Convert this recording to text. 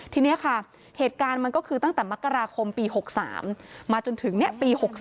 ทีนี้ค่ะเหตุการณ์มันก็คือตั้งแต่มกราคมปี๖๓มาจนถึงปี๖๓